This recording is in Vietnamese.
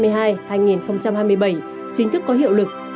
giai đoạn hai nghìn hai mươi hai hai nghìn hai mươi bảy chính thức có hiệu lực